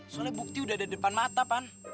soalnya bukti udah ada depan mata pan